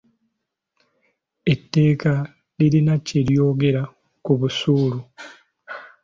Etteeka lirina kye lyogera ku busuulu.